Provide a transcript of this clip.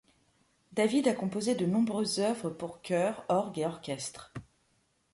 David a composé de nombreuses œuvres pour chœur, orgue et orchestre.